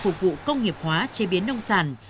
phục vụ công nghiệp hóa chế biến nông sản